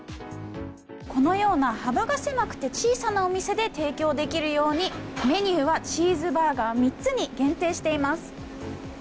このような幅が狭くて小さなお店で提供できるようにメニューはチーズバーガー３つに限定しています。